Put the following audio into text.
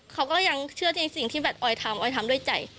เขาก็ยังเชื่อในสิ่งที่แบบออยทำออยทำด้วยใจ